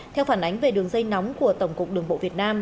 theo phản ánh về đường dây nóng của tổng cục đường bộ việt nam